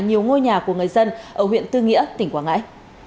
nhiều ngôi nhà của người dân ở huyện tư nghĩa tỉnh quảng ngãi